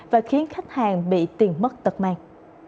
và khiến khách hàng bị tiền mất tật mang